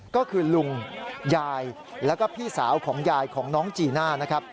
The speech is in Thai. ก็คือลุงยายแล้วก็พี่สาวของยายของน้องจีน่านะครับ